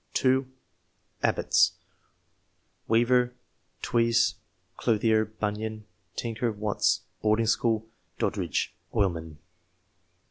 Two Abbots, weaver ; Twisse, clothier ; Bunyan, tinker ; Watts, boarding school ; Doddridge, oil man.